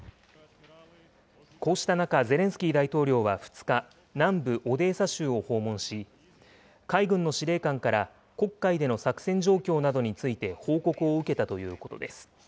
こうした中、ゼレンスキー大統領は２日、南部オデーサ州を訪問し、海軍の司令官から黒海での作戦状況などについて報告を受けたということです。